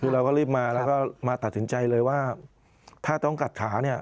คือเราก็รีบมาแล้วก็มาตัดสินใจเลยว่าถ้าต้องกัดขาเนี่ย